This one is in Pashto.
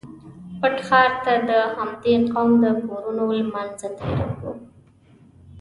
پټ ښار ته د همدې قوم د کورونو له منځه تېرېږو.